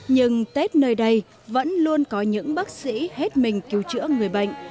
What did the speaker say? nhưng tết nơi đây vẫn luôn có những bác sĩ hết mình cứu chữa người bệnh